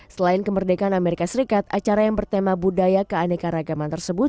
selain kemerdekaan amerika serikat acara yang bertema budaya keanekaragaman tersebut